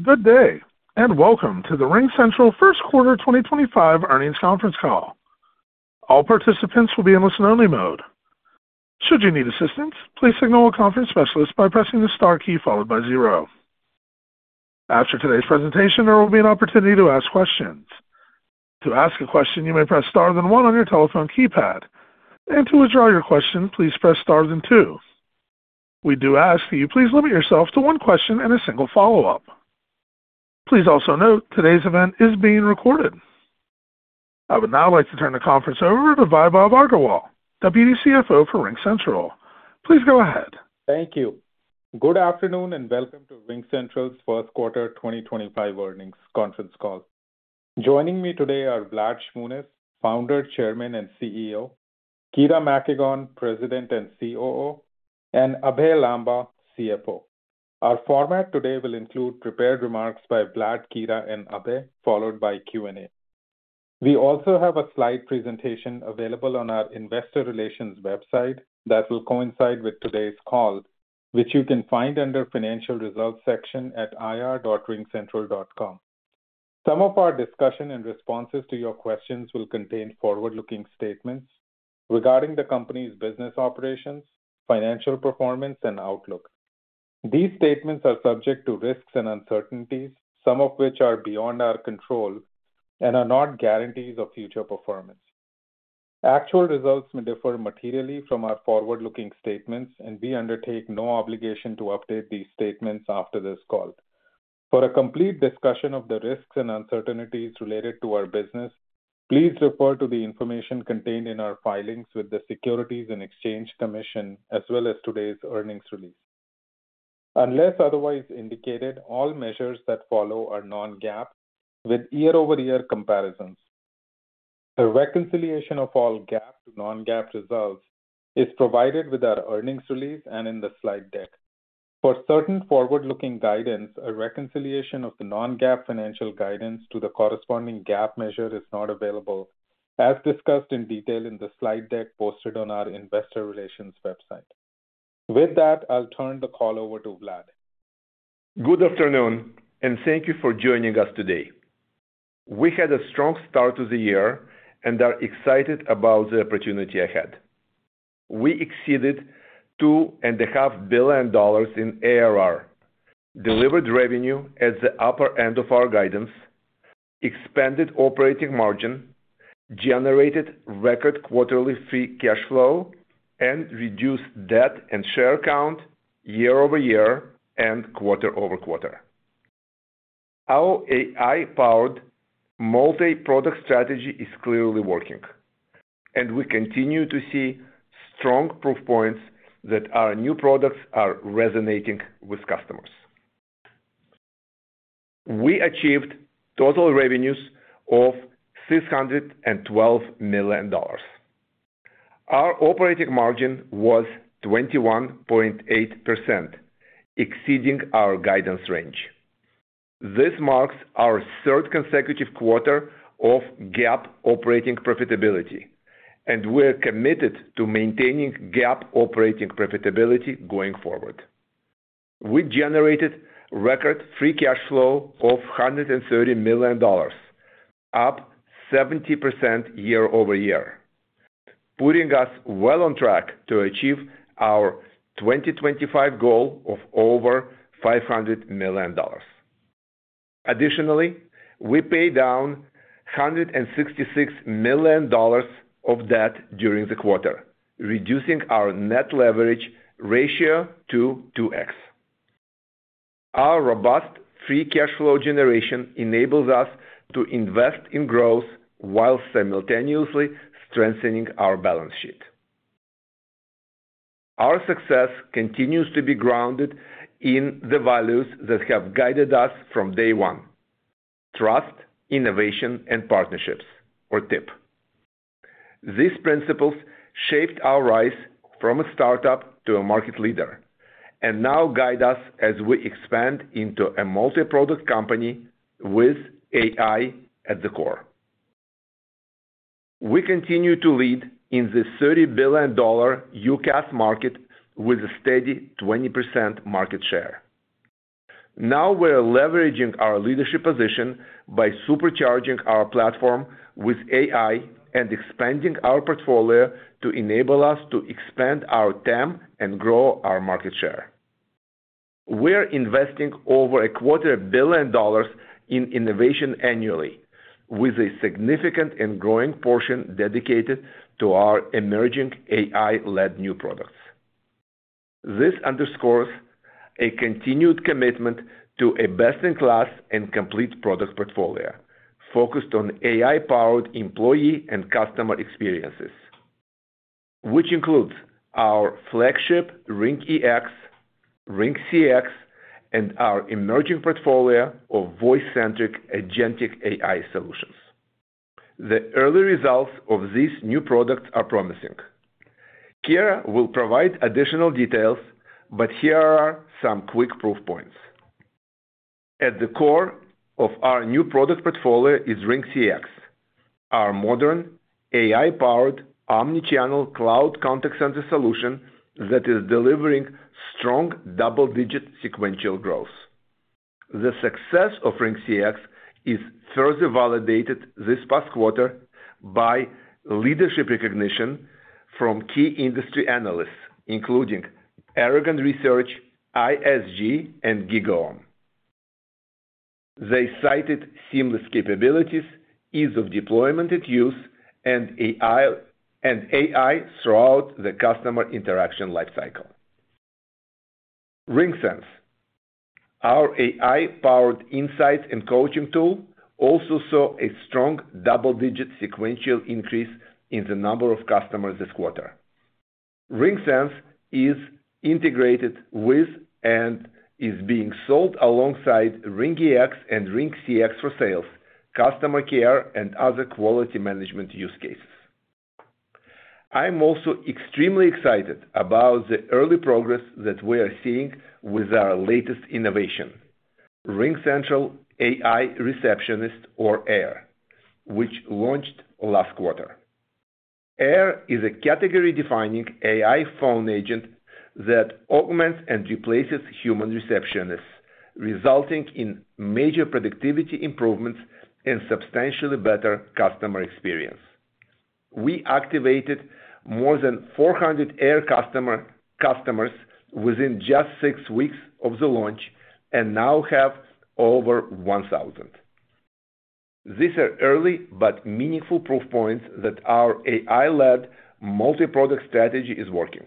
Good day, and welcome to the RingCentral First Quarter 2025 earnings conference call. All participants will be in listen-only mode. Should you need assistance, please signal a conference specialist by pressing the star key followed by zero. After today's presentation, there will be an opportunity to ask questions. To ask a question, you may press star then one on your telephone keypad. To withdraw your question, please press star then two. We do ask that you please limit yourself to one question and a single follow-up. Please also note today's event is being recorded. I would now like to turn the conference over to Vaibhav Agarwal, Deputy CFO for RingCentral. Please go ahead. Thank you. Good afternoon, and welcome to RingCentral’s First Quarter 2025 earnings conference call. Joining me today are Vlad Shmunis, Founder, Chairman and CEO; Kira Makagon, President and COO; and Abhey Lamba, CFO. Our format today will include prepared remarks by Vlad, Kira, and Abhey, followed by Q&A. We also have a slide presentation available on our Investor Relations website that will coincide with today’s call, which you can find under the Financial Results section at ir.ringcentral.com. Some of our discussion and responses to your questions will contain forward-looking statements regarding the company’s business operations, financial performance, and outlook. These statements are subject to risks and uncertainties, some of which are beyond our control and are not guarantees of future performance. Actual results may differ materially from our forward-looking statements, and we undertake no obligation to update these statements after this call. For a complete discussion of the risks and uncertainties related to our business, please refer to the information contained in our filings with the Securities and Exchange Commission, as well as today’s earnings release. Unless otherwise indicated, all measures that follow are non-GAAP with year-over-year comparisons. A reconciliation of all GAAP to non-GAAP results is provided with our earnings release and in the slide deck. For certain forward-looking guidance, a reconciliation of the non-GAAP financial guidance to the corresponding GAAP measure is not available, as discussed in detail in the slide deck posted on our Investor Relations website. With that, I’ll turn the call over to Vlad. Good afternoon, and thank you for joining us today. We had a strong start to the year and are excited about the opportunity ahead. We exceeded $2.5 billion in ARR, delivered revenue at the upper end of our guidance, expanded operating margin, generated record quarterly free cash flow, and reduced debt and share count year-over-year and quarter-over-quarter. Our AI-powered multi-product strategy is clearly working, and we continue to see strong proof points that our new products are resonating with customers. We achieved total revenues of $612 million. Our operating margin was 21.8%, exceeding our guidance range. This marks our third consecutive quarter of GAAP operating profitability, and we are committed to maintaining GAAP operating profitability going forward. We generated record free cash flow of $130 million, up 70% year-over-year, putting us well on track to achieve our 2025 goal of over $500 million. Additionally, we paid down $166 million of debt during the quarter, reducing our net leverage ratio to 2x. Our robust free cash flow generation enables us to invest in growth while simultaneously strengthening our balance sheet. Our success continues to be grounded in the values that have guided us from day one: trust, innovation, and partnerships, or TIP. These principles shaped our rise from a startup to a market leader and now guide us as we expand into a multi-product company with AI at the core. We continue to lead in the $30 billion UCaaS market with a steady 20% market share. Now we are leveraging our leadership position by supercharging our platform with AI and expanding our portfolio to enable us to expand our TAM and grow our market share. We are investing over a quarter billion dollars in innovation annually, with a significant and growing portion dedicated to our emerging AI-led new products. This underscores a continued commitment to a best-in-class and complete product portfolio focused on AI-powered employee and customer experiences, which includes our flagship RingEX, RingCX, and our emerging portfolio of voice-centric agentic AI solutions. The early results of these new products are promising. Kira will provide additional details, but here are some quick proof points. At the core of our new product portfolio is RingCX, our modern AI-powered omnichannel cloud contact center solution that is delivering strong double-digit sequential growth. The success of RingCX is further validated this past quarter by leadership recognition from key industry analyst firms, including Omdia Research, ISG, and GigaOm. They cited seamless capabilities, ease of deployment and use, and AI throughout the customer interaction lifecycle. RingSense, our AI-powered insights and coaching tool, also saw a strong double-digit sequential increase in the number of customers this quarter. RingSense is integrated with and is being sold alongside RingEX and RingCX for sales, customer care, and other quality management use cases. I’m also extremely excited about the early progress that we are seeing with our latest innovation, RingCentral AI Receptionist, or AIR, which launched last quarter. AIR is a category-defining AI phone agent that augments and replaces human receptionists, resulting in major productivity improvements and substantially better customer experience. We activated more than 400 AIR customers within just six weeks of the launch and now have over 1,000. These are early but meaningful proof points that our AI-led multi-product strategy is working,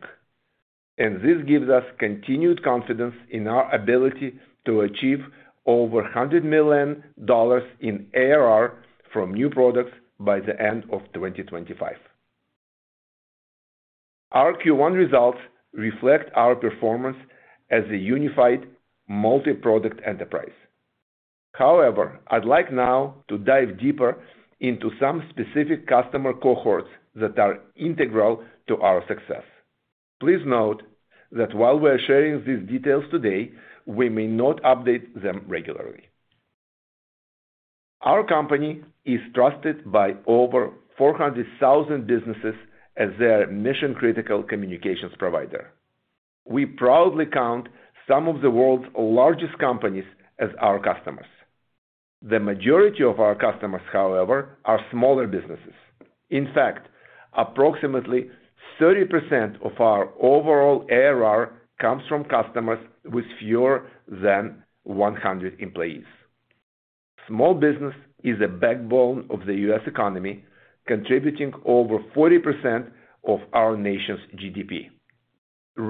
and this gives us continued confidence in our ability to achieve over $100 million in ARR from new products by the end of 2025. Our Q1 results reflect our performance as a unified multi-product enterprise. However, I’d like now to dive deeper into some specific customer cohorts that are integral to our success. Please note that while we are sharing these details today, we may not update them regularly. Our company is trusted by over 400,000 businesses as their mission-critical communications provider. We proudly count some of the world’s largest companies as our customers. The majority of our customers, however, are smaller businesses. In fact, approximately 30% of our overall ARR comes from customers with fewer than 100 employees. Small business is a backbone of the U.S. economy, contributing over 40% of our nation’s GDP.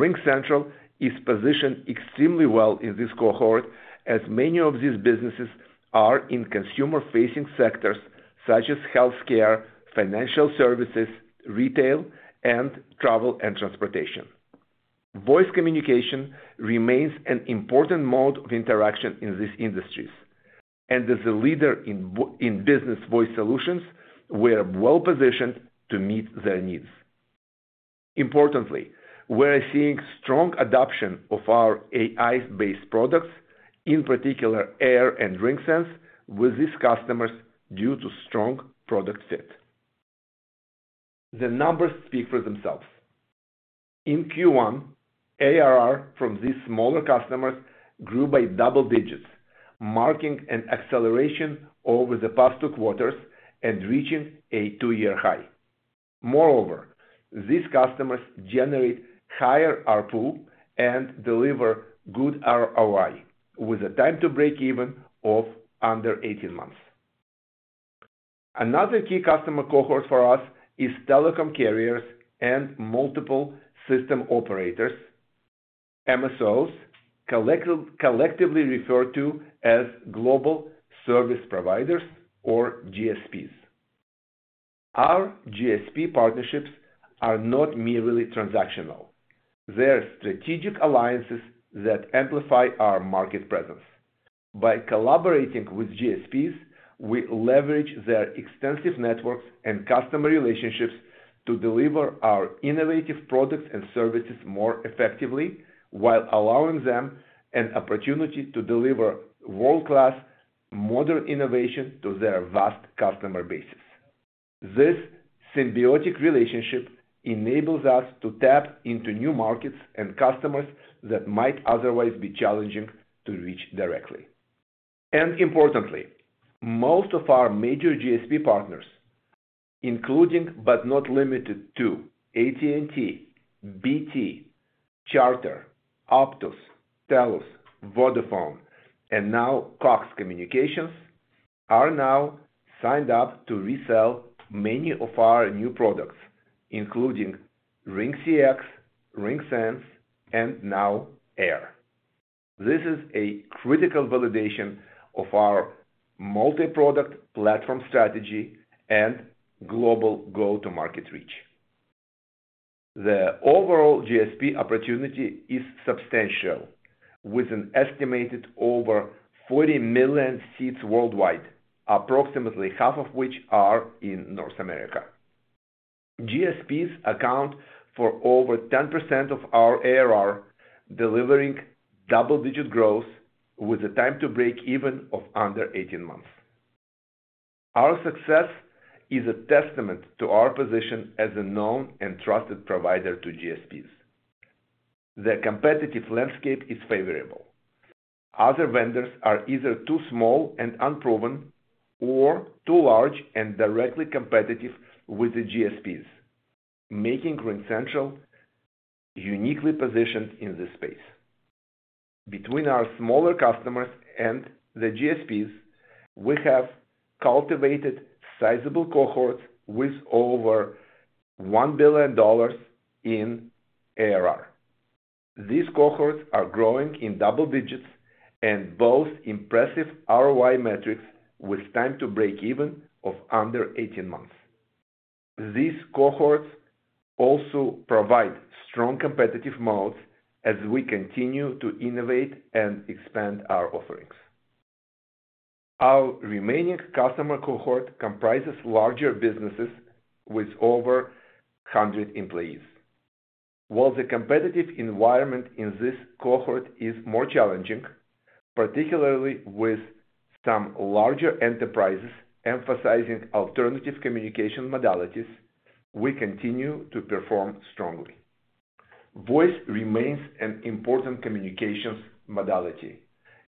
RingCentral is positioned extremely well in this cohort, as many of these businesses are in consumer-facing sectors such as healthcare, financial services, retail, and travel and transportation. Voice communication remains an important mode of interaction in these industries, and as a leader in business voice solutions, we are well positioned to meet their needs. Importantly, we are seeing strong adoption of our AI-based products, in particular AIR and RingSense, with these customers due to strong product fit. The numbers speak for themselves. In Q1, ARR from these smaller customers grew by double digits, marking an acceleration over the past two quarters and reaching a two-year high. Moreover, these customers generate higher RPU and deliver good ROI, with a time-to-break-even of under 18 months. Another key customer cohort for us is telecom carriers and multiple system operators, MSOs, collectively referred to as Global Service Providers, or GSPs. Our GSP partnerships are not merely transactional. They are strategic alliances that amplify our market presence. By collaborating with GSPs, we leverage their extensive networks and customer relationships to deliver our innovative products and services more effectively, while allowing them an opportunity to deliver world-class, modern innovation to their vast customer bases. This symbiotic relationship enables us to tap into new markets and customers that might otherwise be challenging to reach directly. Importantly, most of our major GSP partners, including but not limited to AT&T, BT, Charter, Optus, Telus, Vodafone, and now Cox Communications, are now signed up to resell many of our new products, including RingCX, RingSense, and now AIR. This is a critical validation of our multi-product platform strategy and global go-to-market reach. The overall GSP opportunity is substantial, with an estimated over 40 million seats worldwide, approximately half of which are in North America. GSPs account for over 10% of our ARR, delivering double-digit growth with a time-to-break-even of under 18 months. Our success is a testament to our position as a known and trusted provider to GSPs. The competitive landscape is favorable. Other vendors are either too small and unproven or too large and directly competitive with the GSPs, making RingCentral uniquely positioned in this space. Between our smaller customers and the GSPs, we have cultivated sizable cohorts with over $1 billion in ARR. These cohorts are growing in double digits and boast impressive ROI metrics with time-to-break-even of under 18 months. These cohorts also provide strong competitive moats as we continue to innovate and expand our offerings. Our remaining customer cohort comprises larger businesses with over 100 employees. While the competitive environment in this cohort is more challenging, particularly with some larger enterprises emphasizing alternative communication modalities, we continue to perform strongly. Voice remains an important communications modality,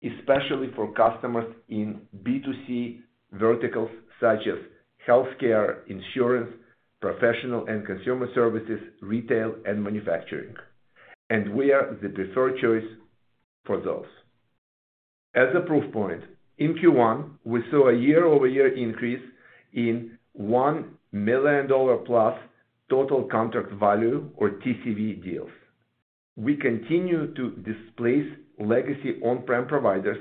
especially for customers in B2C verticals such as healthcare, insurance, professional and consumer services, retail, and manufacturing, and we are the preferred choice for those. As a proof point, in Q1, we saw a year-over-year increase in $1 million plus total contract value, or TCV, deals. We continue to displace legacy on-prem providers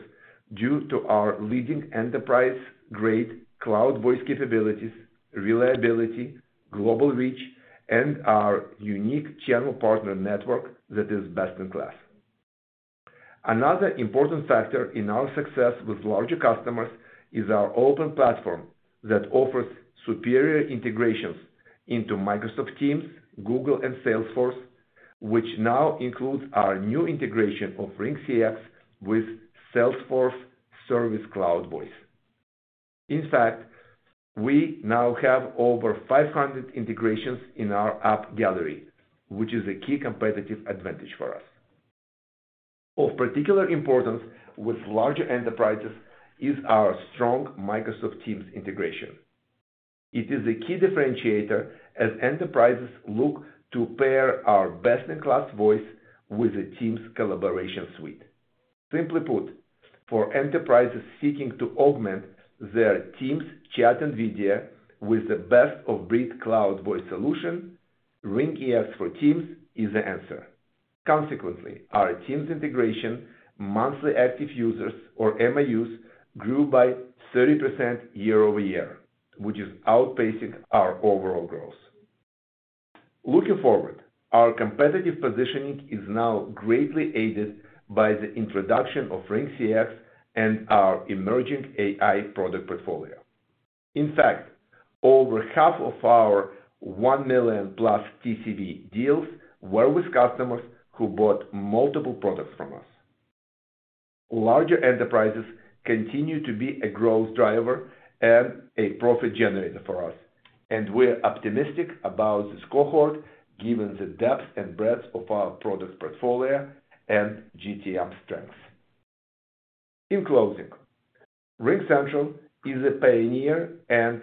due to our leading enterprise-grade cloud voice capabilities, reliability, global reach, and our unique channel partner network that is best in class. Another important factor in our success with larger customers is our open platform that offers superior integrations into Microsoft Teams, Google, and Salesforce, which now includes our next-generation integration of RingCX with Salesforce Service Cloud Voice. In fact, we now have over 500 integrations in our app gallery, which is a key competitive advantage for us. Of particular importance with larger enterprises is our strong Microsoft Teams integration. It is a key differentiator as enterprises look to pair our best-in-class voice with a Teams collaboration suite. Simply put, for enterprises seeking to augment their Teams chat and video with the best-of-breed cloud voice solution, RingEX for Teams is the answer. Consequently, our Teams integration, monthly active users, or MAUs, grew by 30% year-over-year, which is outpacing our overall growth. Looking forward, our competitive positioning is now greatly aided by the introduction of RingCX and our emerging AI product portfolio. In fact, over half of our 1 million plus TCV deals were with customers who bought multiple products from us. Larger enterprises continue to be a growth driver and a profit generator for us, and we are optimistic about this cohort given the depth and breadth of our product portfolio and GTM strengths. In closing, RingCentral is a pioneer and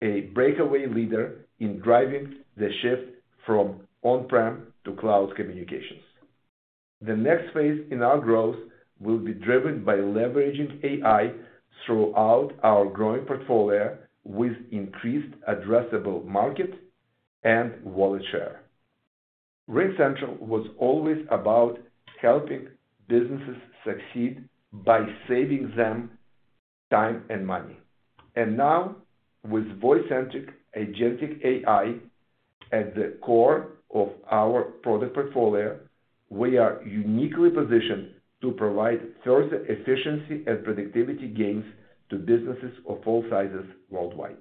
a breakaway leader in driving the shift from on-prem to cloud communications. The next phase in our growth will be driven by leveraging AI throughout our growing portfolio with increased addressable market and wallet share. RingCentral was always about helping businesses succeed by saving them time and money. Now, with voice-centric agentic AI at the core of our product portfolio, we are uniquely positioned to provide further efficiency and productivity gains to businesses of all sizes worldwide.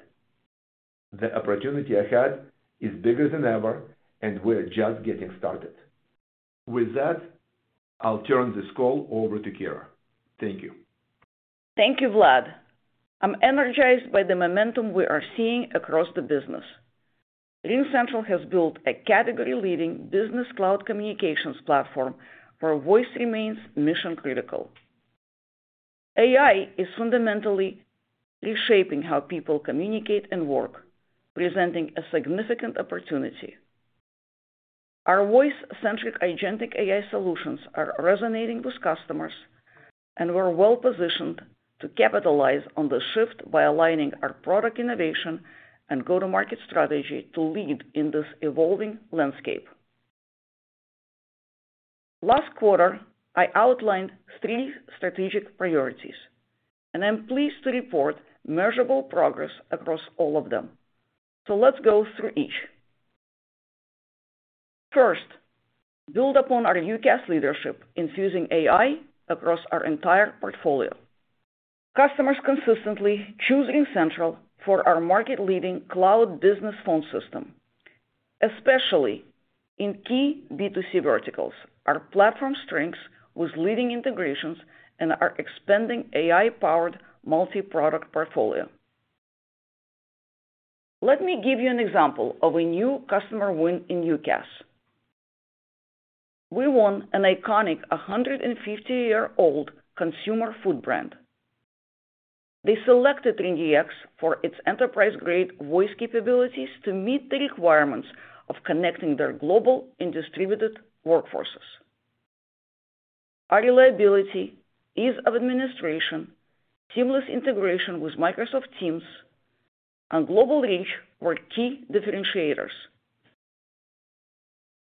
The opportunity ahead is bigger than ever, and we are just getting started. With that, I’ll turn this call over to Kira. Thank you. Thank you, Vlad. I’m energized by the momentum we are seeing across the business. RingCentral has built a category-leading business cloud communications platform where voice remains mission-critical. AI is fundamentally reshaping how people communicate and work, representing a significant opportunity. Our voice-centric agentic AI solutions are resonating with customers, and we’re well positioned to capitalize on the shift by aligning our product innovation and go-to-market strategy to lead in this evolving landscape. Last quarter, I outlined three strategic priorities, and I’m pleased to report measurable progress across all of them. Let’s go through each. First, build upon our UCaaS leadership, infusing AI across our entire portfolio. Customers consistently choose RingCentral for our market-leading cloud business phone system, especially in key B2C verticals, our platform strengths with leading integrations, and our expanding AI-powered multi-product portfolio. Let me give you an example of a new customer win in UCaaS. We won an iconic 150-year-old consumer food brand. They selected RingEX for its enterprise-grade voice capabilities to meet the requirements of connecting their global and distributed workforces. Our reliability, ease of administration, seamless integration with Microsoft Teams, and global reach were key differentiators.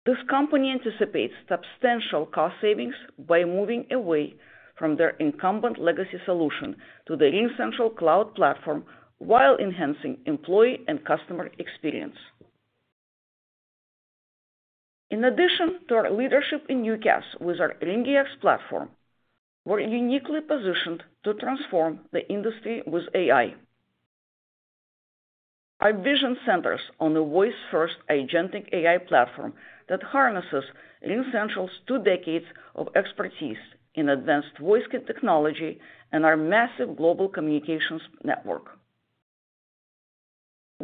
This company anticipates substantial cost savings by moving away from their incumbent legacy solution to the RingCentral cloud platform while enhancing employee and customer experience. In addition to our leadership in UCaaS, with our RingEX platform, we’re uniquely positioned to transform the industry with AI. Our vision centers on a voice-first agentic AI platform that harnesses RingCentral’s two decades of expertise in advanced voice technology and our modern cloud communications network.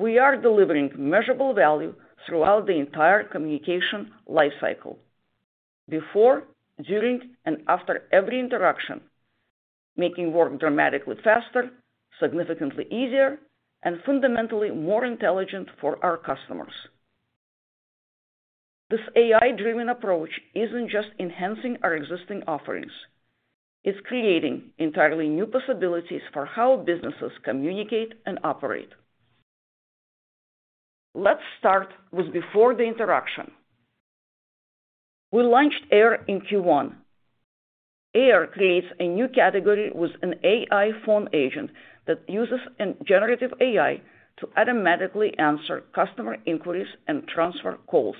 We are delivering measurable value throughout the entire communication lifecycle: before, during, and after every interaction, making work dramatically faster, significantly easier, and fundamentally more intelligent for our customers. This AI-driven approach isn’t just enhancing our existing offerings; it’s creating entirely new possibilities for how businesses communicate and operate. Let’s start with before the interaction. We launched AIR in Q1. AIR creates a new category with an AI phone agent that uses generative AI to automatically answer customer inquiries and transfer calls.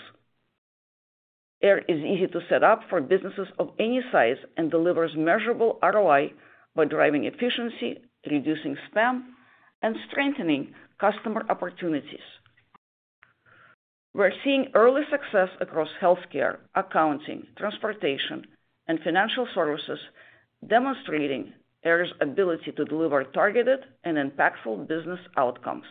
AIR is easy to set up for businesses of any size and delivers measurable ROI by driving efficiency, reducing spam, and strengthening customer opportunities. We’re seeing early success across healthcare, accounting, transportation, and financial services, demonstrating AIR’s ability to deliver targeted and impactful business outcomes.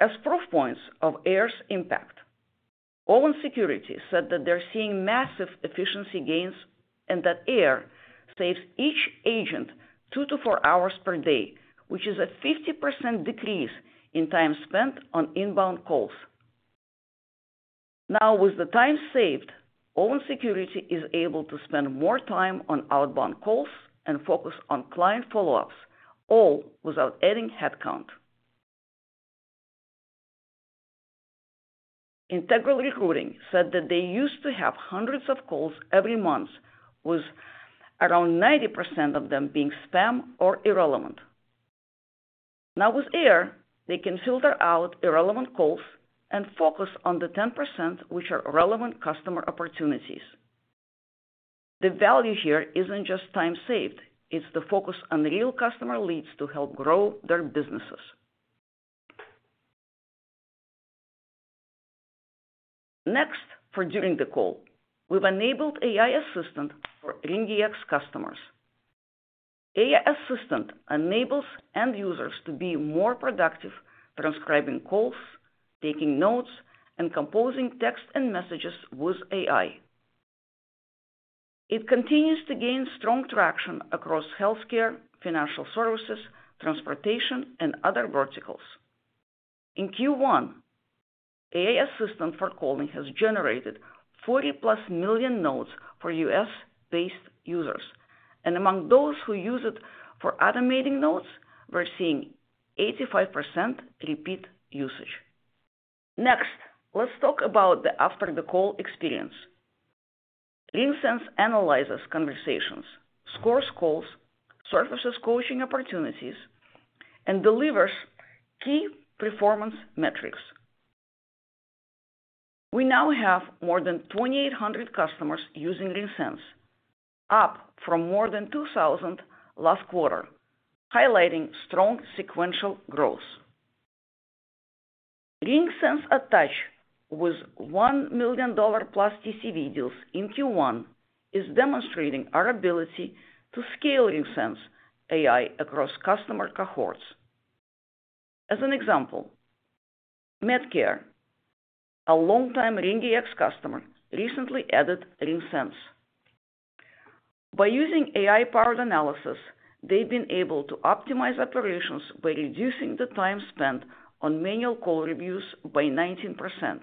As proof points of AIR’s impact, Owen Security said that they’re seeing massive efficiency gains and that AIR saves each agent 2–4 hours per day, which is a 50% decrease in time spent on inbound calls. Now, with the time saved, Owen Security is able to spend more time on outbound calls and focus on client follow-ups, all without adding headcount. Integral Recruiting said that they used to have hundreds of calls every month, with around 90% of them being spam or irrelevant. Now, with AIR, they can filter out irrelevant calls and focus on the 10% which are relevant customer opportunities. The value here is not just time saved; it is the focus on real customer leads to help grow their businesses. Next, for during the call, we have enabled AI Assistant for RingEX customers. AI Assistant enables end users to be more productive, transcribing calls, taking notes, and composing text and messages with AI. It continues to gain strong traction across healthcare, financial services, transportation, and other verticals. In Q1, AI Assistant for Calling has generated 40 plus million notes for US-based users, and among those who use it for automating notes, we are seeing 85% repeat usage. Next, let us talk about the after-the-call experience. RingCentral analyzes conversations, scores calls, surfaces coaching opportunities, and delivers key performance metrics. We now have more than 2,800 customers using RingCentral, up from more than 2,000 last quarter, highlighting strong sequential growth. RingCentral, attached with $1 million plus TCV deals in Q1, is demonstrating our ability to scale RingCentral AI across customer cohorts. As an example, MedCare, a longtime RingEX customer, recently added RingCentral. By using AI-powered analysis, they’ve been able to optimize operations by reducing the time spent on manual call reviews by 19%,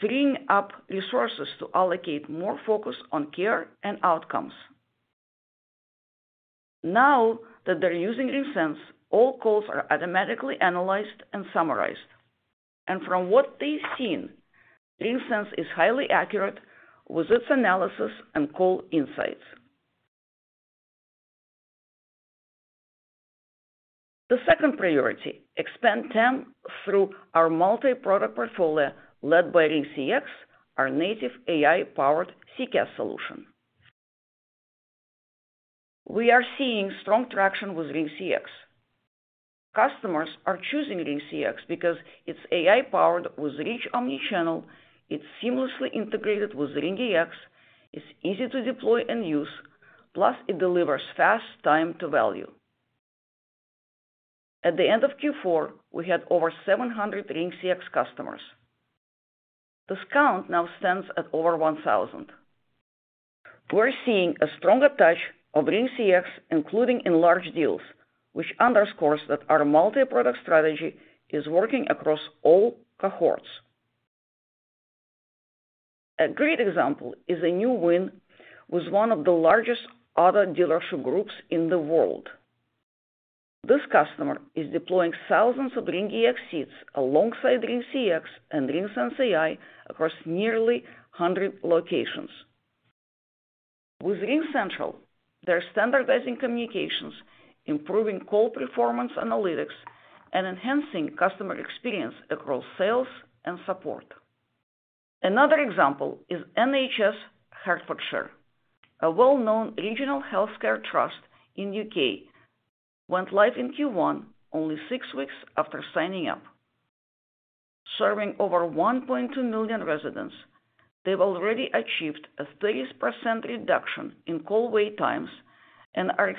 freeing up resources to allocate more focus on care and outcomes. Now that they’re using RingCentral, all calls are automatically analyzed and summarized. From what they’ve seen, RingCentral is highly accurate with its analysis and call insights. The second priority: expand TAM through our multi-product portfolio led by RingCX, our native AI-powered CCaaS solution. We are seeing strong traction with RingCX. Customers are choosing RingCX because it’s AI-powered with rich omnichannel, it’s seamlessly integrated with RingEX, it’s easy to deploy and use, plus it delivers fast time-to-value. At the end of Q4, we had over 700 RingCX customers. That now stands at over 1,000. We’re seeing a strong attach of RingCX, including in large deals, which underscores that our multi-product strategy is working across all cohorts. A great example is a new win with one of the largest auto dealership groups in the world. This customer is deploying thousands of RingEX seats alongside RingCX and RingCentral AI across nearly 100 locations. With RingCentral, they’re standardizing communications, improving call performance analytics, and enhancing customer experience across sales and support. Another example is NHS Hertfordshire, a well-known regional healthcare trust in the U.K., went live in Q1 only six weeks after signing up. Customers are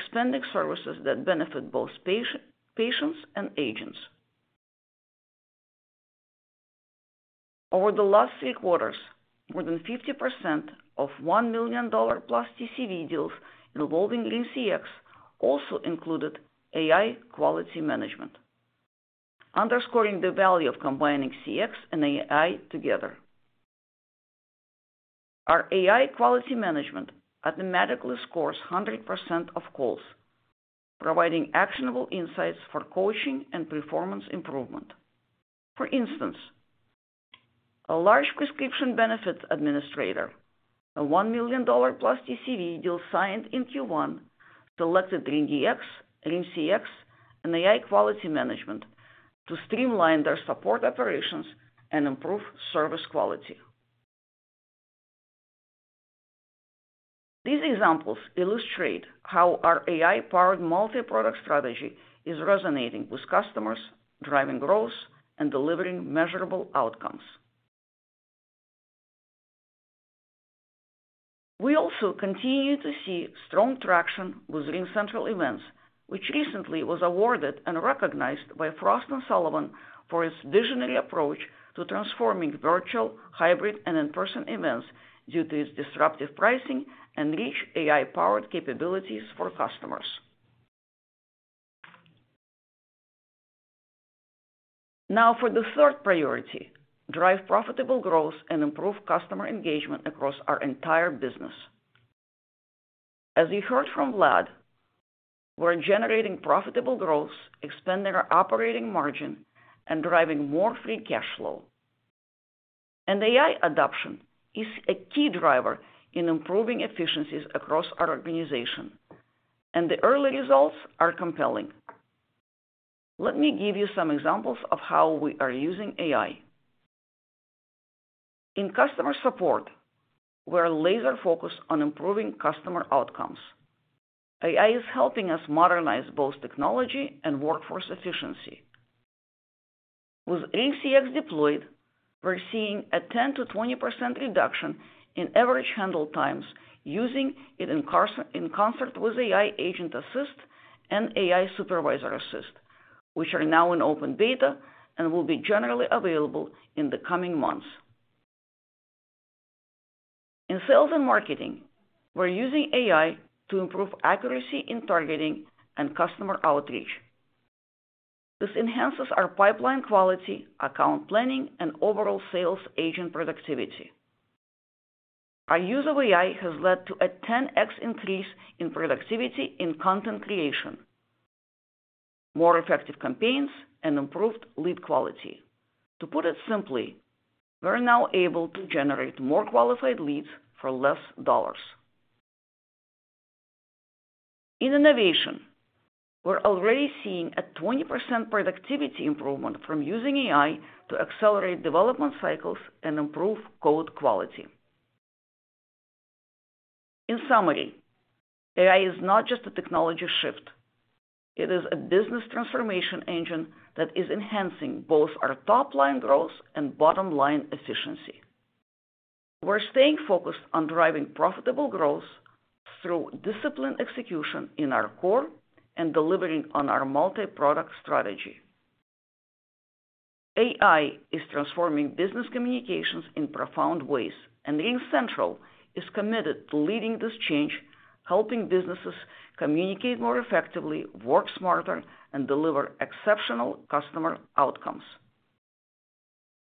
choosing RingCX because it’s AI-powered with rich omnichannel, it’s seamlessly integrated with RingEX, it’s easy to deploy and use, plus it delivers fast time-to-value. and rich AI-powered capabilities for customers. Now for the third priority: drive profitable growth and improve customer engagement across our entire business. As you heard from Vlad, we are generating profitable growth, expanding our operating margin, and driving more free cash flow. AI adoption is a key driver in improving efficiencies across our organization, and the early results are compelling. Let me give you some examples of how we are using AI. In customer support, we are laser-focused on improving customer outcomes. AI is helping us modernize both technology and workforce efficiency. With RingCX deployed, we’re seeing a 10–20% reduction in average handle times using it in concert with AI Agent Assist and AI Supervisor Assist, which are now in open beta and will be generally available in the coming months. In sales and marketing, we’re using AI to improve accuracy in targeting and customer outreach. This enhances our pipeline quality, account planning, and overall sales agent productivity. Our use of AI has led to a 10x increase in productivity in content creation, more effective campaigns, and improved lead quality. To put it simply, we’re now able to generate more qualified leads for less dollars. In innovation, we’re already seeing a 20% productivity improvement from using AI to accelerate development cycles and improve code quality. In summary, AI is not just a technology shift; it is a business transformation engine that is enhancing both our top-line growth and bottom-line efficiency. We’re staying focused on driving profitable growth through disciplined execution in our core and delivering on our multi-product strategy. AI is transforming business communications in profound ways, and RingCentral is committed to leading this change, helping businesses communicate more effectively, work smarter, and deliver exceptional customer outcomes.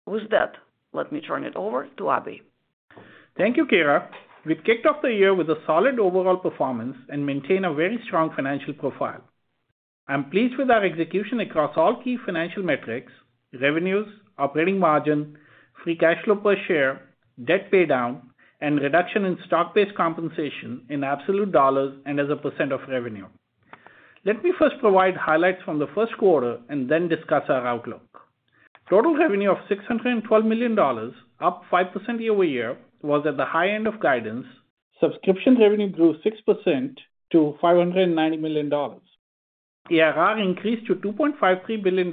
With that, let me turn it over to Abhey. Thank you, Kira. We’ve kicked off the year with a solid overall performance and maintained a very strong financial profile. I’m pleased with our execution across all key financial metrics: revenues, operating margin, free cash flow per share, debt paydown, and reduction in stock-based compensation in absolute dollars and as a percent of revenue. Let me first provide highlights from the first quarter and then discuss our outlook. Total revenue of $612 million, up 5% year-over-year, was at the high end of guidance. Subscription revenue grew 6% to $590 million. ERR increased to $2.53 billion,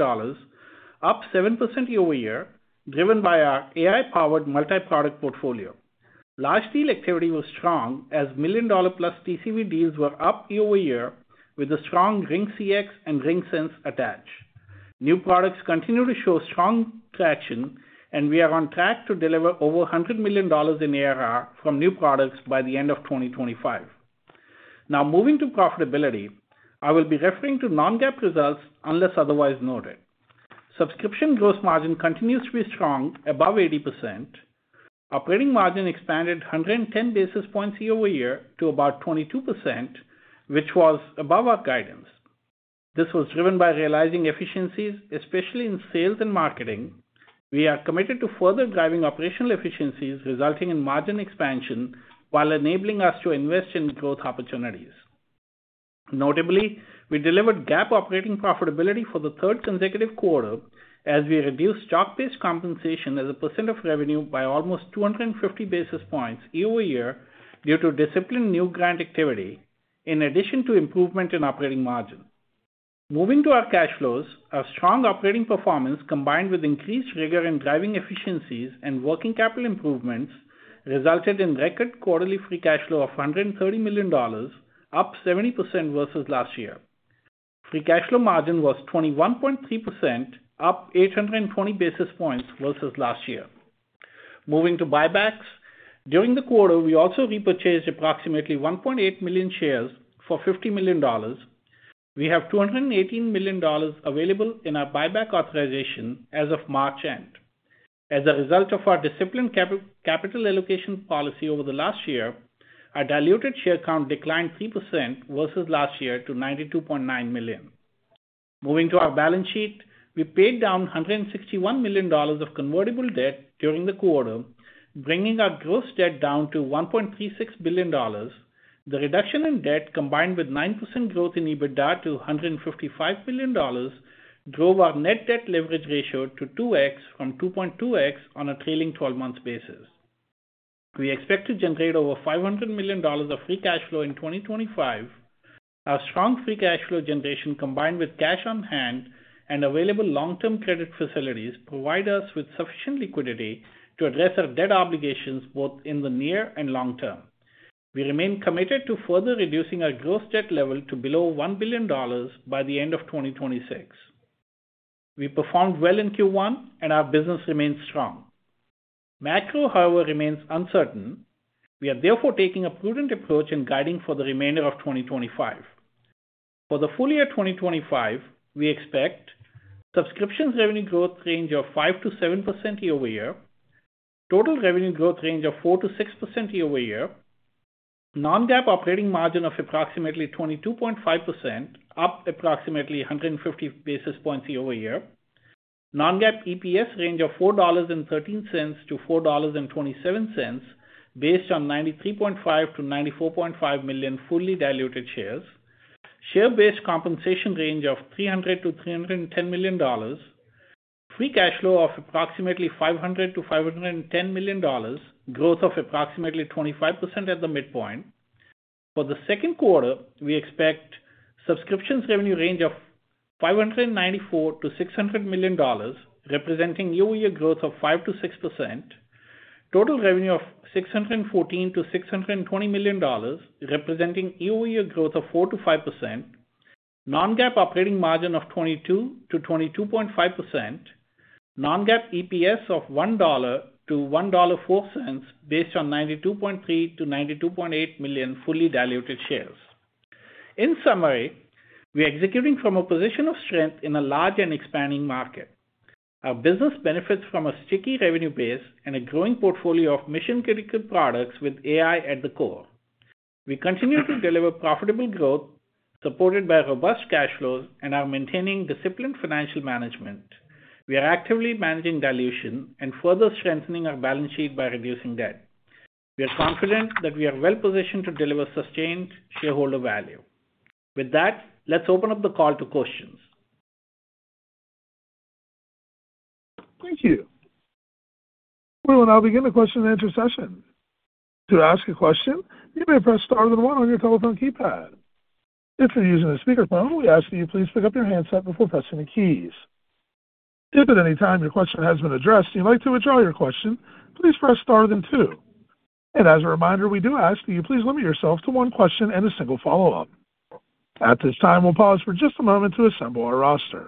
up 7% year-over-year, driven by our AI-powered multi-product portfolio. Large deal activity was strong as million-dollar plus TCV deals were up year-over-year with the strong RingCX and RingCentral attached. New products continue to show strong traction, and we are on track to deliver over $100 million in ERR from new products by the end of 2025. Now, moving to profitability, I will be referring to non-GAAP results unless otherwise noted. Subscription gross margin continues to be strong, above 80%. Operating margin expanded 110 basis points year-over-year to about 22%, which was above our guidance. This was driven by realizing efficiencies, especially in sales and marketing. We are committed to further driving operational efficiencies, resulting in margin expansion while enabling us to invest in growth opportunities. Notably, we delivered GAAP operating profitability for the third consecutive quarter as we reduced stock-based compensation as a percent of revenue by almost 250 basis points year-over-year due to disciplined new grant activity, in addition to improvement in operating margin. Moving to our cash flows, our strong operating performance combined with increased rigor in driving efficiencies and working capital improvements resulted in record quarterly free cash flow of $130 million, up 70% versus last year. Free cash flow margin was 21.3%, up 820 basis points versus last year. Moving to buybacks, during the quarter, we also repurchased approximately 1.8 million shares for $50 million. We have $218 million available in our buyback authorization as of March end. As a result of our disciplined capital allocation policy over the last year, our diluted share count declined 3% versus last year to 92.9 million. Moving to our balance sheet, we paid down $161 million of convertible debt during the quarter, bringing our gross debt down to $1.36 billion. The reduction in debt, combined with 9% growth in EBITDA to $155 million, drove our net debt leverage ratio to 2x from 2.2x on a trailing 12-month basis. We expect to generate over $500 million of free cash flow in 2025. Our strong free cash flow generation, combined with cash on hand and available long-term credit facilities, provides us with sufficient liquidity to address our debt obligations both in the near and long term. We remain committed to further reducing our gross debt level to below $1 billion by the end of 2026. We performed well in Q1, and our business remains strong. Macro, however, remains uncertain. We are therefore taking a prudent approach in guiding for the remainder of 2025. For the full year 2025, we expect subscriptions revenue growth range of 5%–7% year-over-year, total revenue growth range of 4%–6% year-over-year, non-GAAP operating margin of approximately 22.5%, up approximately 150 basis points year-over-year, non-GAAP EPS range of $4.13–$4.27 based on 93.5–94.5 million fully diluted shares, share-based compensation range of $300–$310 million, free cash flow of approximately $500–$510 million, growth of approximately 25% at the midpoint. For the second quarter, we expect subscriptions revenue range of $594–$600 million, representing year-over-year growth of 5%–6%, total revenue of $614–$620 million, representing year-over-year growth of 4%–5%, non-GAAP operating margin of 22%–22.5%, non-GAAP EPS of $1.00–$1.04 based on 92.3–92.8 million fully diluted shares. In summary, we are executing from a position of strength in a large and expanding market. Our business benefits from a sticky revenue base and a growing portfolio of mission-critical products with AI at the core. We continue to deliver profitable growth, supported by robust cash flows, and are maintaining disciplined financial management. We are actively managing dilution and further strengthening our balance sheet by reducing debt. We are confident that we are well-positioned to deliver sustained shareholder value. With that, let’s open up the call to questions. Thank you. We will now begin the question-and-answer session. To ask a question, you may press star then one on your telephone keypad. If you’re using a speakerphone, we ask that you please pick up your handset before pressing the keys. If at any time your question has been addressed and you’d like to withdraw your question, please press star then two. As a reminder, we do ask that you please limit yourself to one question and a single follow-up. At this time, we’ll pause for just a moment to assemble our roster.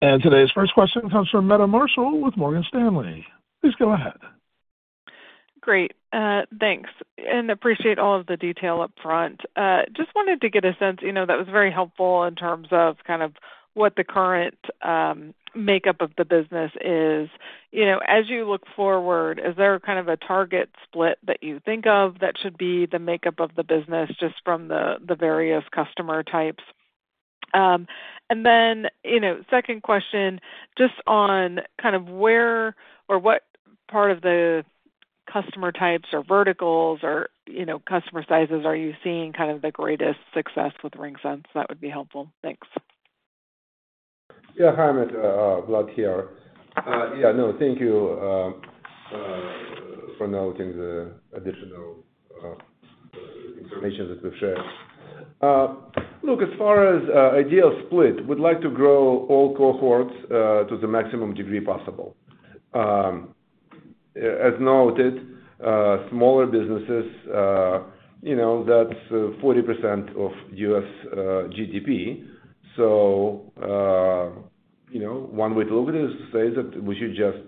Today’s first question comes from Meta Marshall with Morgan Stanley. Please go ahead. Great. Thanks. I appreciate all of the detail upfront. Just wanted to get a sense, you know, that was very helpful in terms of kind of what the current makeup of the business is. As you look forward, is there kind of a target split that you think of that should be the makeup of the business just from the various customer types? Second question, just on kind of where or what part of the customer types or verticals or customer sizes are you seeing kind of the greatest success with RingCentral? That would be helpful. Thanks. Yeah. Hi, Meta. Vlad here. Yeah. No, thank you for noting the additional information that we’ve shared. Look, as far as ideal split, we’d like to grow all cohorts to the maximum degree possible. As noted, smaller businesses, that’s 40% of U.S. GDP. One way to look at it is to say that we should just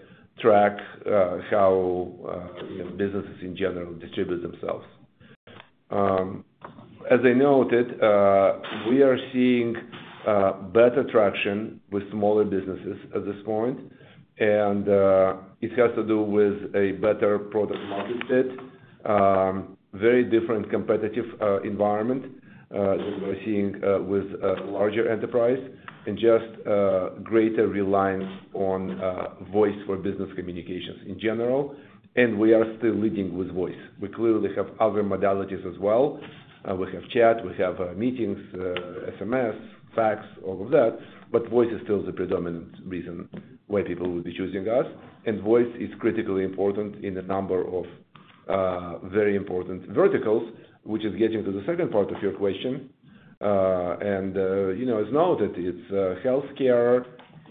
track how businesses in general distribute themselves. As I noted, we are seeing better traction with smaller businesses at this point, and it has to do with a better product-market fit, very different competitive environment that we’re seeing with a larger enterprise, and just greater reliance on voice for business communications in general. We are still leading with voice. We clearly have other modalities as well. We have chat, we have meetings, SMS, fax, all of that, but voice is still the predominant reason why people will be choosing us. Voice is critically important in a number of very important verticals, which is getting to the second part of your question. As noted, it’s healthcare,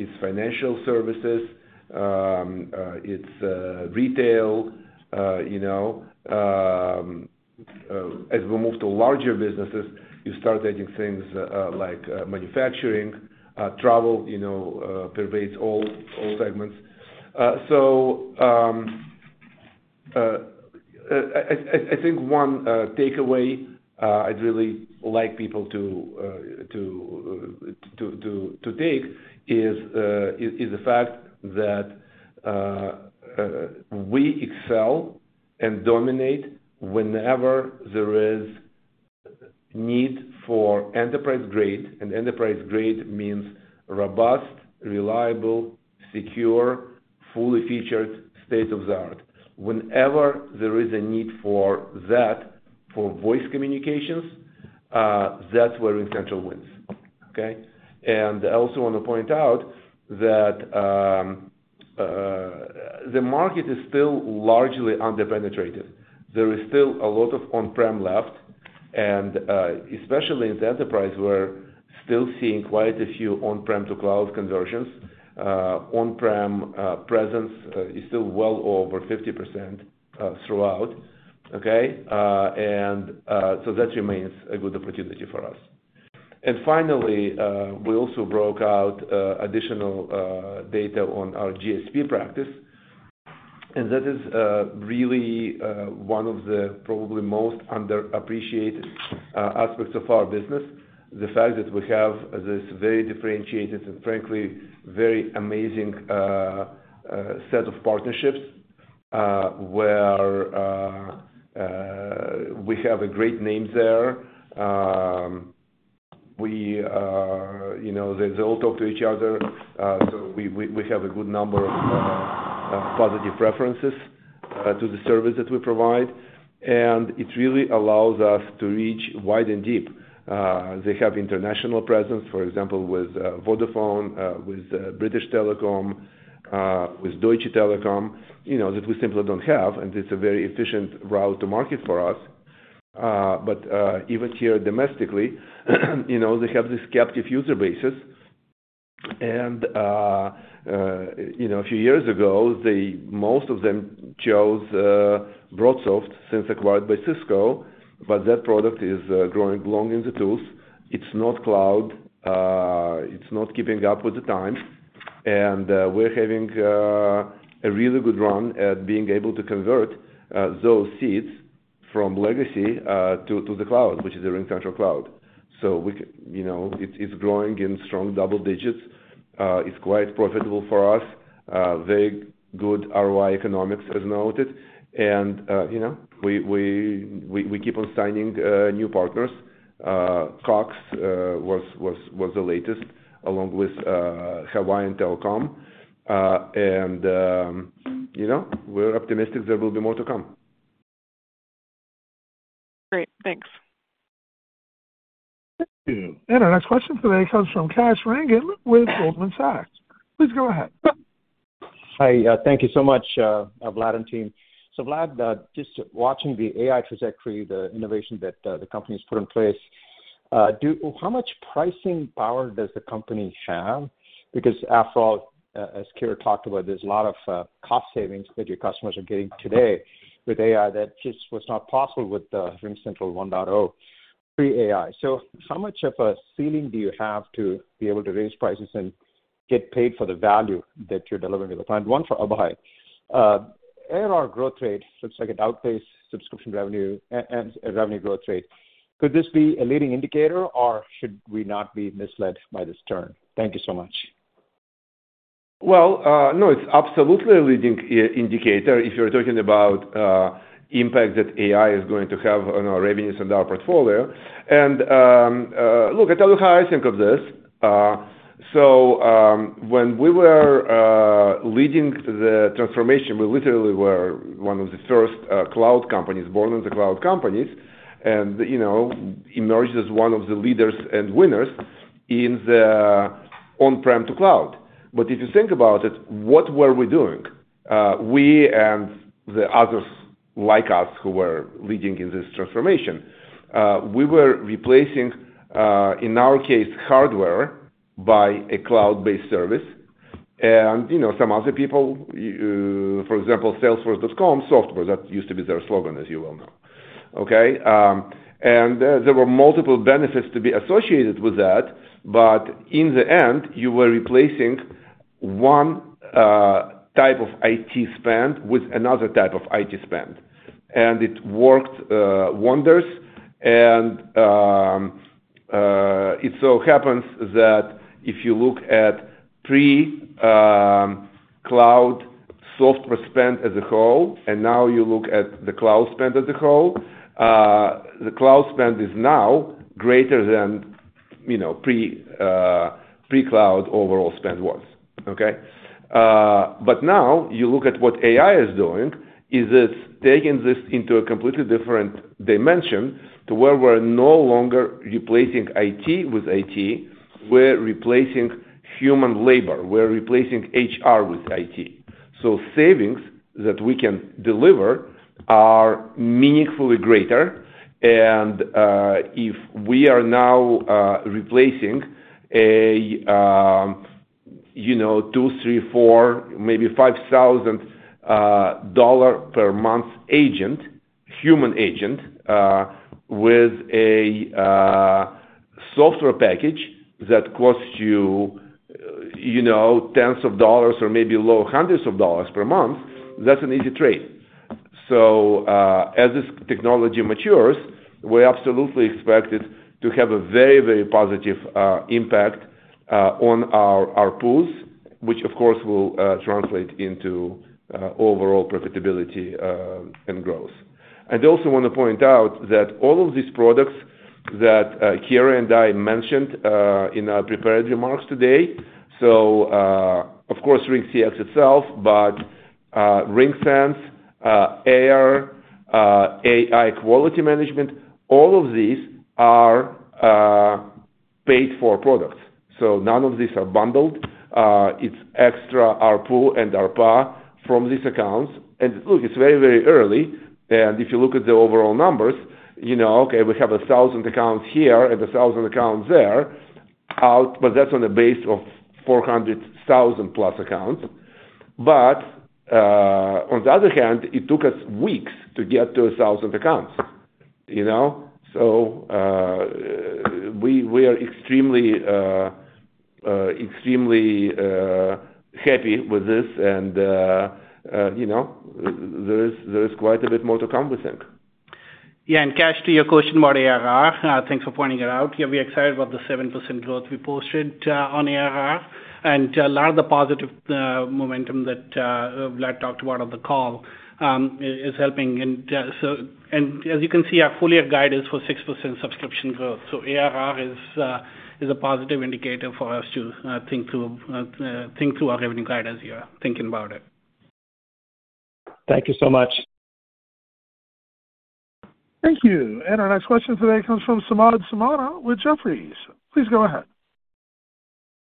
it’s financial services, it’s retail. As we move to larger businesses, you start adding things like manufacturing. Travel pervades all segments. I think one takeaway I’d really like people to take is the fact that we excel and dominate whenever there is a need for enterprise-grade, and enterprise-grade means robust, reliable, secure, fully featured, state-of-the-art. Whenever there is a need for that, for voice communications, that’s where RingCentral wins. Okay? I also want to point out that the market is still largely under-penetrated. There is still a lot of on-prem left, and especially in the enterprise, we’re still seeing quite a few on-prem to cloud conversions. On-prem presence is still well over 50% throughout. Okay? That remains a good opportunity for us. Finally, we also broke out additional data on our GSP practice, and that is really one of the probably most under-appreciated aspects of our business, the fact that we have this very differentiated and, frankly, very amazing set of partnerships where we have a great name there. They all talk to each other, so we have a good number of positive references to the service that we provide. It really allows us to reach wide and deep. They have international presence, for example, with Vodafone, with BT, with Deutsche Telecom, that we simply do not have, and it is a very efficient route to market for us. Even here domestically, they have this captive user base. A few years ago, most of them chose Broadsoft, since acquired by Cisco, but that product is growing long in the tooth. It’s not cloud. It’s not keeping up with the times. We’re having a really good run at being able to convert those seats from legacy to the cloud, which is the RingCentral Cloud. It’s growing in strong double digits. It’s quite profitable for us. Very good ROI economics, as noted. We keep on signing new partners. Cox was the latest, along with Hawaiian Telecom. We’re optimistic there will be more to come. Great. Thanks. Thank you. Our next question today comes from Cash Rangan with Goldman Sachs. Please go ahead. Hi. Thank you so much, Vlad and team. Vlad, just watching the AI trajectory, the innovation that the company has put in place, how much pricing power does the company have? Because after all, as Kira talked about, there’s a lot of cost savings that your customers are getting today with AI that just was not possible with RingCentral 1.0 pre-AI. How much of a ceiling do you have to be able to raise prices and get paid for the value that you’re delivering to the client? One for Abhey. At our growth rate, it looks like it outpaced subscription revenue and revenue growth rate. Could this be a leading indicator, or should we not be misled by this turn? Thank you so much. No, it’s absolutely a leading indicator if you’re talking about the impact that AI is going to have on our revenues and our portfolio. Look, I’ll tell you how I think of this. When we were leading the transformation, we literally were one of the first cloud companies, born in the cloud companies, and emerged as one of the leaders and winners in the on-prem to cloud. If you think about it, what were we doing? We and the others like us who were leading in this transformation, we were replacing, in our case, hardware by a cloud-based service. Some other people, for example, Salesforce.com software, that used to be their slogan, as you well know. There were multiple benefits to be associated with that, but in the end, you were replacing one type of IT spend with another type of IT spend. It worked wonders. It so happens that if you look at pre-cloud software spend as a whole, and now you look at the cloud spend as a whole, the cloud spend is now greater than pre-cloud overall spend was. Okay? Now you look at what AI is doing, it is taking this into a completely different dimension to where we are no longer replacing IT with IT. We are replacing human labor. We are replacing HR with IT. Savings that we can deliver are meaningfully greater. If we are now replacing a $2,000, $3,000, $4,000, maybe $5,000 per month human agent with a software package that costs you tens of dollars or maybe low hundreds of dollars per month, that is an easy trade. As this technology matures, we absolutely expect it to have a very, very positive impact on our pools, which, of course, will translate into overall profitability and growth. A lot of the positive momentum that Vlad talked about on the call is helping. As you can see, our full-year guide is for 6% subscription growth. ARR is a positive indicator for us to think through our revenue guide as you're thinking about it. Thank you so much. Thank you. Our next question today comes from Samad Samara with Jefferies. Please go ahead.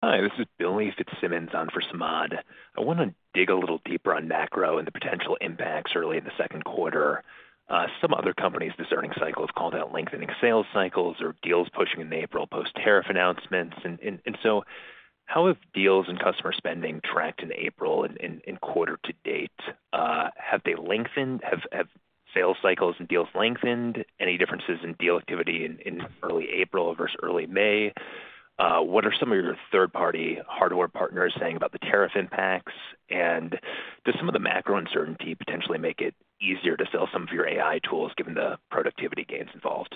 Hi. This is Bill Mefitz-Simmons on for Samad. I want to dig a little deeper on macro and the potential impacts early in the second quarter. Some other companies this earnings cycle have called out lengthening sales cycles or deals pushing in April post-tariff announcements. How have deals and customer spending tracked in April and quarter to date? Have they lengthened? Have sales cycles and deals lengthened? Any differences in deal activity in early April versus early May? What are some of your third-party hardware partners saying about the tariff impacts? And does some of the macro uncertainty potentially make it easier to sell some of your AI tools given the productivity gains involved?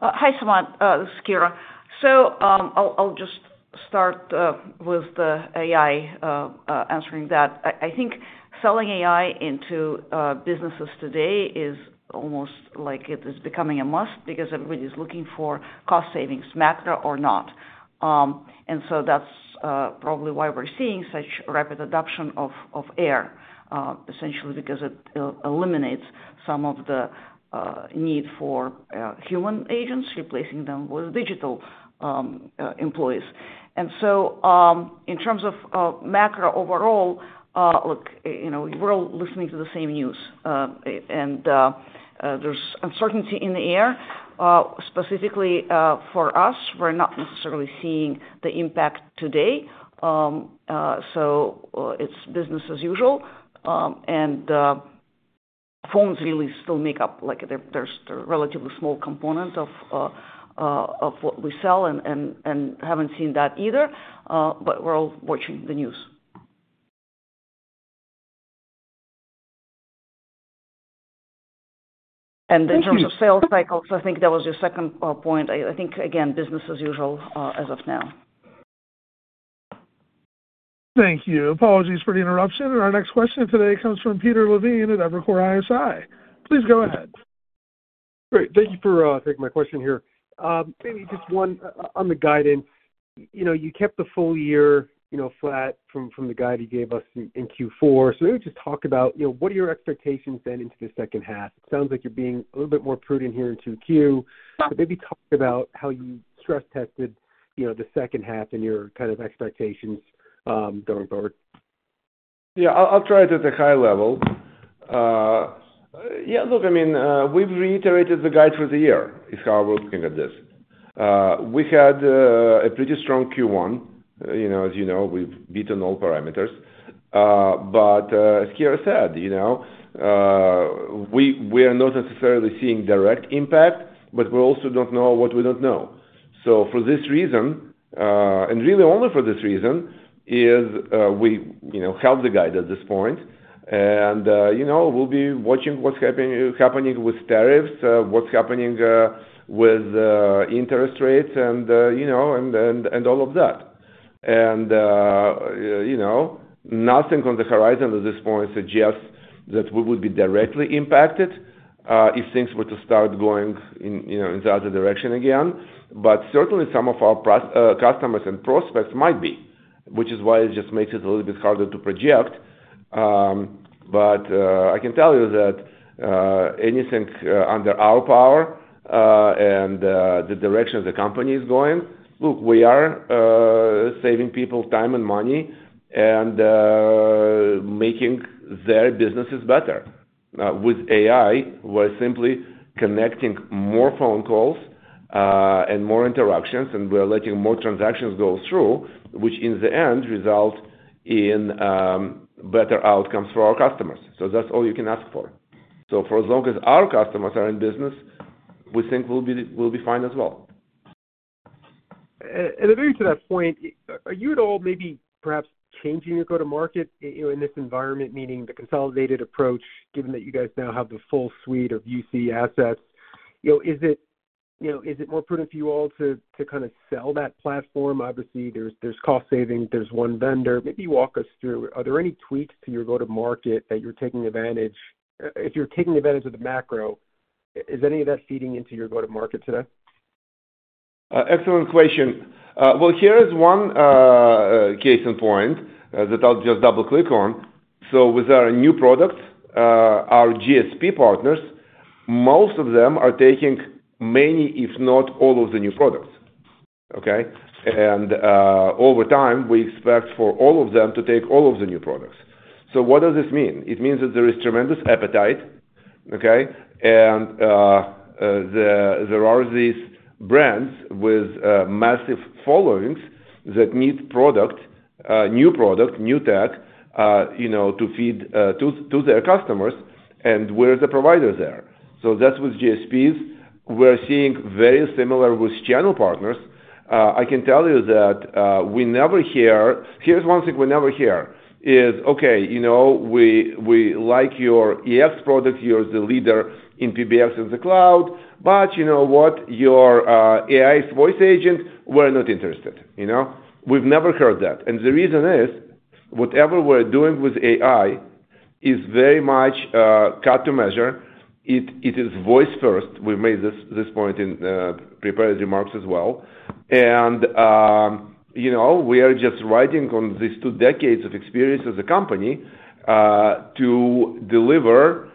Hi, Samad. This is Kira. I'll just start with the AI answering that. I think selling AI into businesses today is almost like it is becoming a must because everybody's looking for cost savings, macro or not. That's probably why we're seeing such rapid adoption of AIR, essentially because it eliminates some of the need for human agents, replacing them with digital employees. In terms of macro overall, look, we're all listening to the same news. There's uncertainty in the air. Specifically for us, we're not necessarily seeing the impact today. It's business as usual. Phones really still make up like they're a relatively small component of what we sell and haven't seen that either. We're all watching the news. In terms of sales cycles, I think that was your second point. I think, again, business as usual as of now. Thank you. Apologies for the interruption. Our next question today comes from Peter Levine at Evercore ISI. Please go ahead. Great. Thank you for taking my question here. Maybe just one on the guidance. You kept the full year flat from the guide you gave us in Q4. Maybe just talk about what are your expectations then into the second half? It sounds like you're being a little bit more prudent here in Q2. Maybe talk about how you stress-tested the second half and your kind of expectations going forward. Yeah. I'll try to take a high level. Yeah. Look, I mean, we've reiterated the guide for the year. It's how we're looking at this. We had a pretty strong Q1. As you know, we've beaten all parameters. As Kira said, we are not necessarily seeing direct impact, but we also don't know what we don't know. For this reason, and really only for this reason, we held the guide at this point. We'll be watching what's happening with tariffs, what's happening with interest rates, and all of that. Nothing on the horizon at this point suggests that we would be directly impacted if things were to start going in the other direction again. Certainly, some of our customers and prospects might be, which is why it just makes it a little bit harder to project. I can tell you that anything under our power and the direction the company is going, look, we are saving people time and money and making their businesses better. With AI, we're simply connecting more phone calls and more interactions, and we're letting more transactions go through, which in the end results in better outcomes for our customers. That's all you can ask for. For as long as our customers are in business, we think we'll be fine as well. I'm going to add to that point, are you at all maybe perhaps changing your go-to-market in this environment, meaning the consolidated approach, given that you guys now have the full suite of UC assets? Is it more prudent for you all to kind of sell that platform? Obviously, there's cost saving. There's one vendor. Maybe walk us through, are there any tweaks to your go-to-market that you're taking advantage of? If you're taking advantage of the macro, is any of that feeding into your go-to-market today? Excellent question. Here is one case in point that I'll just double-click on. With our new product, our GSP partners, most of them are taking many, if not all, of the new products. Okay? Over time, we expect for all of them to take all of the new products. What does this mean? It means that there is tremendous appetite. Okay? There are these brands with massive followings that need new product, new tech to feed to their customers. We are the providers there. That's with GSPs. We're seeing very similar with channel partners. I can tell you that we never hear—here is one thing we never hear—is, okay, we like your EX product. You are the leader in PBX and the cloud, but you know what? Your AI voice agent, we are not interested. We have never heard that. The reason is whatever we are doing with AI is very much cut to measure. It is voice-first. We made this point in prepared remarks as well. We are just riding on these two decades of experience as a company to deliver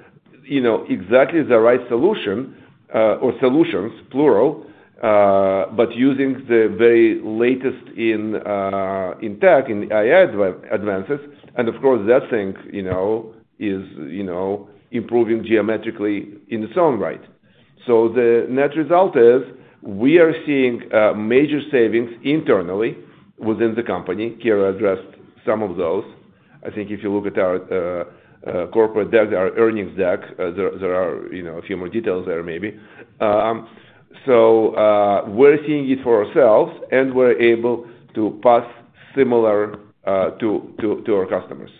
exactly the right solution or solutions, plural, but using the very latest in tech and AI advances. Of course, that thing is improving geometrically in its own right. The net result is we are seeing major savings internally within the company. Kira addressed some of those. I think if you look at our corporate deck, our earnings deck, there are a few more details there maybe. We are seeing it for ourselves, and we are able to pass similar to our customers.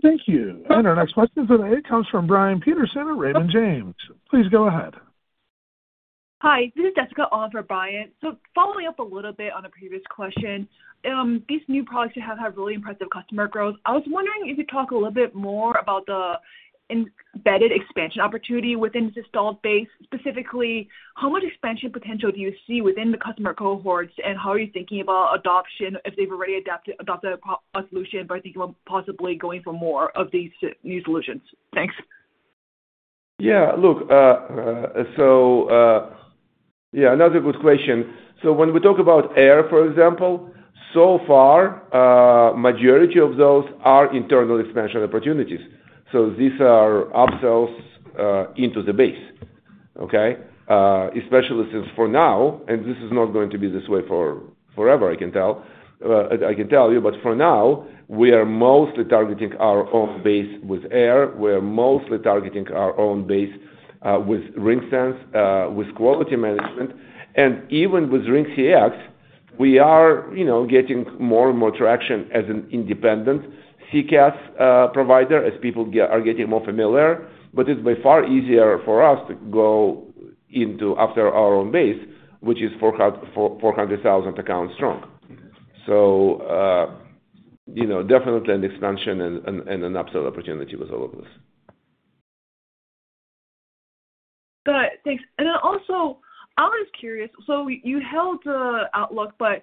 Thank you. Our next question today comes from Brian Peterson at Raymond James. Please go ahead. Hi. This is Jessica Oliver Bryant. Following up a little bit on a previous question, these new products have had really impressive customer growth. I was wondering if you could talk a little bit more about the embedded expansion opportunity within this stalled base. Specifically, how much expansion potential do you see within the customer cohorts, and how are you thinking about adoption if they have already adopted a solution by thinking about possibly going for more of these new solutions? Thanks. Yeah. Look, yeah, another good question. When we talk about AIR, for example, so far, the majority of those are internal expansion opportunities. These are upsells into the base. Okay? Especially since for now, and this is not going to be this way forever, I can tell you, but for now, we are mostly targeting our own base with AIR. We are mostly targeting our own base with RingCentral, with quality management. Even with RingCX, we are getting more and more traction as an independent CCaaS provider, as people are getting more familiar. It is by far easier for us to go after our own base, which is 400,000 accounts strong. Definitely an expansion and an upsell opportunity with all of this. Got it. Thanks. I was curious. You held Outlook, but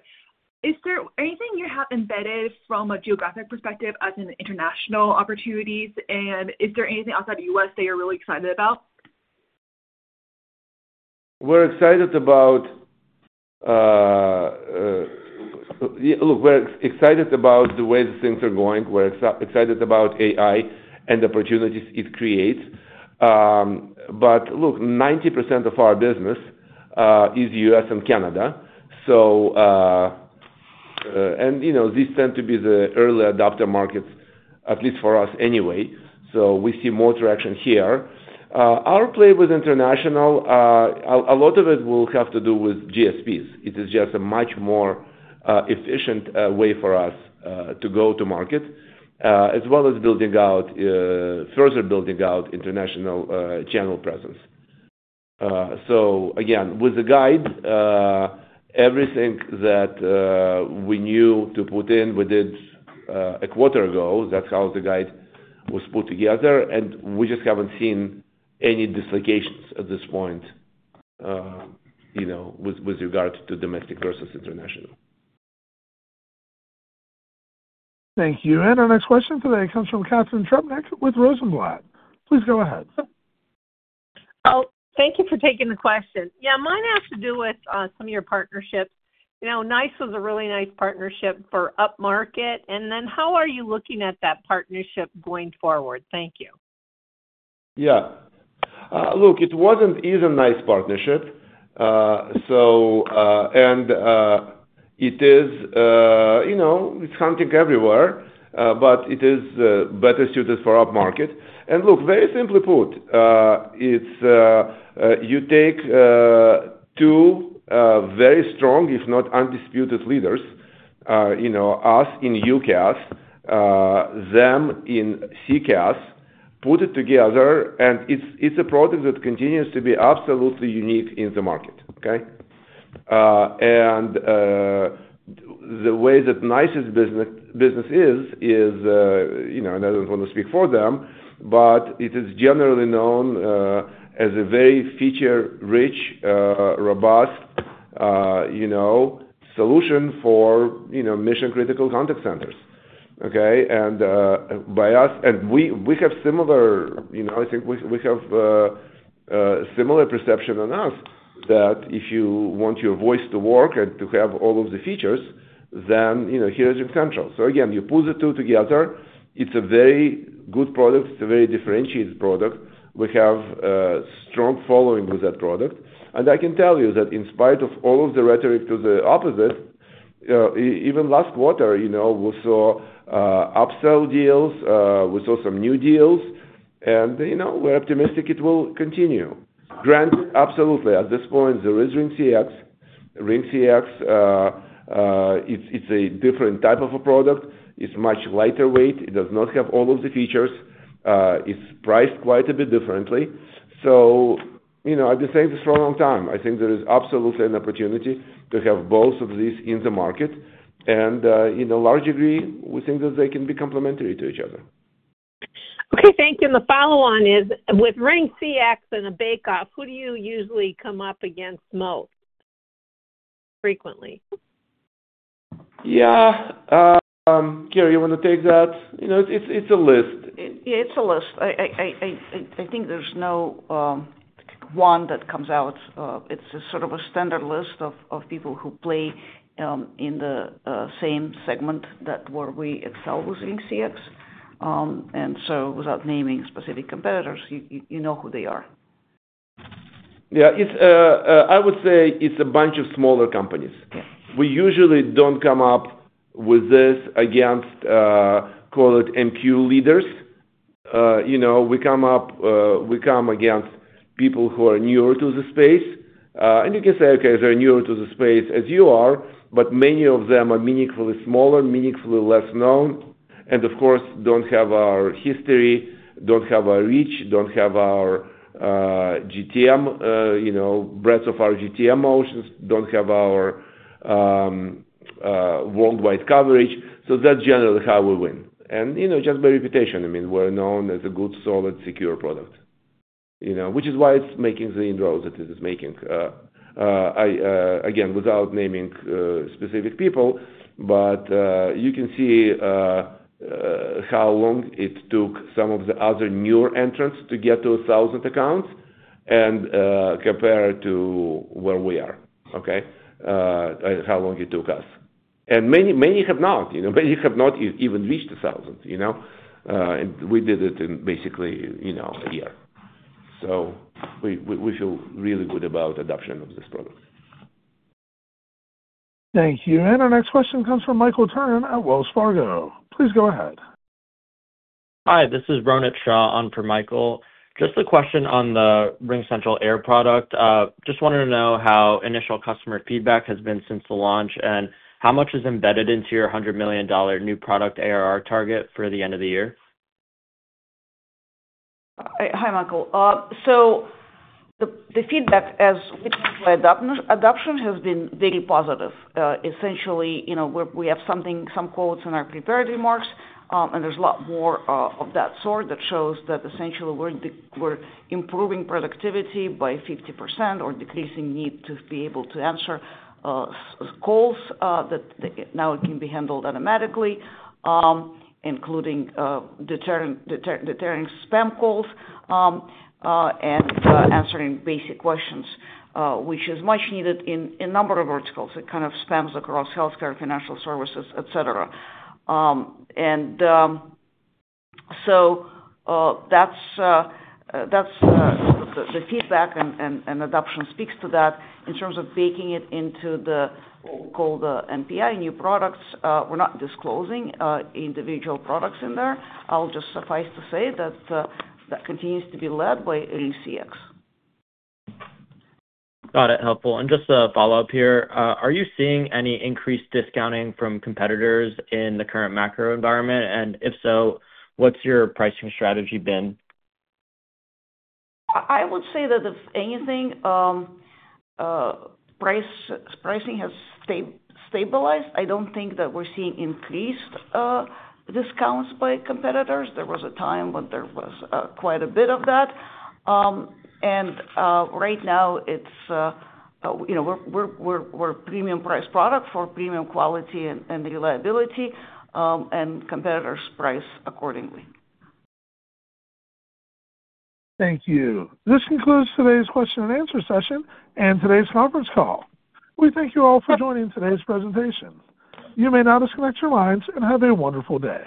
is there anything you have embedded from a geographic perspective as an international opportunity? Is there anything outside the U.S. that you're really excited about? We're excited about—look, we're excited about the way things are going. We're excited about AI and the opportunities it creates. Ninety percent of our business is U.S. and Canada. These tend to be the early adopter markets, at least for us anyway. We see more traction here. Our play with international, a lot of it will have to do with GSPs. It is just a much more efficient way for us to go to market, as well as further building out international channel presence. Again, with the guide, everything that we knew to put in, we did a quarter ago. That's how the guide was put together. We just haven't seen any dislocations at this point with regard to domestic versus international. Thank you. Our next question today comes from Catherine Trubnick with Rosenblatt. Please go ahead. Thank you for taking the question. Yeah. Mine has to do with some of your partnerships. NICE was a really nice partnership for Upmarket. How are you looking at that partnership going forward? Thank you. Yeah. Look, it was not even a nice partnership. It is hunting everywhere, but it is better suited for Upmarket. Very simply put, you take two very strong, if not undisputed leaders, us in UCaaS, them in CCaaS, put it together, and it is a product that continues to be absolutely unique in the market. Okay? The way that NICE's business is, and I do not want to speak for them, but it is generally known as a very feature-rich, robust solution for mission-critical contact centers. Okay? By us, and we have similar—I think we have similar perception on us that if you want your voice to work and to have all of the features, then here is RingCentral. You pull the two together. It's a very good product. It's a very differentiated product. We have strong following with that product. I can tell you that in spite of all of the rhetoric to the opposite, even last quarter, we saw upsell deals. We saw some new deals. We're optimistic it will continue. Granted, absolutely. At this point, there is RingCX. RingCX, it's a different type of a product. It's much lighter weight. It does not have all of the features. It's priced quite a bit differently. I've been saying this for a long time. I think there is absolutely an opportunity to have both of these in the market. In a large degree, we think that they can be complementary to each other. Okay. Thank you. The follow-on is, with RingCX and a bake-off, who do you usually come up against most frequently? Yeah. Kira, you want to take that? It's a list. Yeah. It's a list. I think there's no one that comes out. It's sort of a standard list of people who play in the same segment where we excel with RingCX. Without naming specific competitors, you know who they are. Yeah. I would say it's a bunch of smaller companies. We usually don't come up with this against, call it, MQ leaders. We come up against people who are newer to the space. You can say, okay, they're newer to the space as you are, but many of them are meaningfully smaller, meaningfully less known, and of course, do not have our history, do not have our reach, do not have our breadth of our GTM motions, do not have our worldwide coverage. That is generally how we win. Just by reputation, I mean, we are known as a good, solid, secure product, which is why it is making the inroads that it is making. Again, without naming specific people, but you can see how long it took some of the other newer entrants to get to 1,000 accounts and compare to where we are. Okay? And how long it took us. Many have not. Many have not even reached 1,000. We did it in basically a year. We feel really good about the adoption of this product. Thank you. Our next question comes from Michael Turn at Wells Fargo. Please go ahead. Hi. This is Ronit Shaw on for Michael. Just a question on the RingCentral AIR product. Just wanted to know how initial customer feedback has been since the launch and how much is embedded into your $100 million new product ARR target for the end of the year? Hi, Michael. The feedback as we talked about adoption has been very positive. Essentially, we have some quotes in our prepared remarks, and there is a lot more of that sort that shows that essentially we are improving productivity by 50% or decreasing need to be able to answer calls that now can be handled automatically, including deterring spam calls and answering basic questions, which is much needed in a number of verticals. It kind of spans across healthcare, financial services, etc. That's the feedback, and adoption speaks to that in terms of baking it into what we call the MPI, new products. We're not disclosing individual products in there. I'll just suffice to say that that continues to be led by RingCX. Got it. Helpful. Just a follow-up here. Are you seeing any increased discounting from competitors in the current macro environment? If so, what's your pricing strategy been? I would say that if anything, pricing has stabilized. I don't think that we're seeing increased discounts by competitors. There was a time when there was quite a bit of that. Right now, we're a premium-priced product for premium quality and reliability, and competitors price accordingly. Thank you. This concludes today's question and answer session and today's conference call. We thank you all for joining today's presentation. You may now disconnect your lines and have a wonderful day.